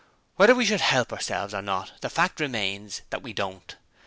Whether we could help ourselves or not, the fact remains that we don't.